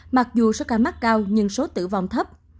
mặc dù số ca mắc cao nhưng số tử vong thấp